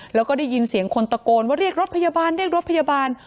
แล้วก็ได้ยินเสียงคนตะโกนว่าเรียกรถพยาบาลเรียกรถพยาบาล